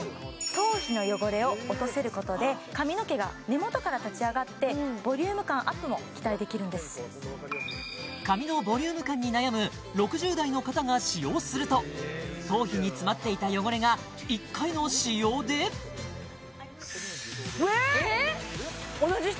頭皮の汚れを落とせることで髪の毛が根元から立ち上がってボリューム感アップも期待できるんです髪のボリューム感に悩む６０代の方が使用すると頭皮に詰まっていた汚れが１回の使用でえっ同じ人？